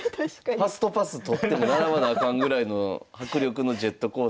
ファストパス取っても並ばなあかんぐらいの迫力のジェットコースターとなってますが。